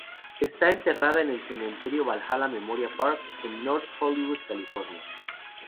Está enterrada en el cementerio Valhalla Memorial Park, en North Hollywood, California.